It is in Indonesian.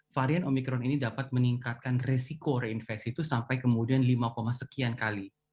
varian omikron ini dapat meningkatkan resiko reinfeksi itu sampai kemudian lima sekian kali